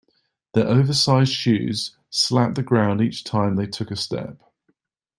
Their oversized shoes slapped the ground each time they took a step.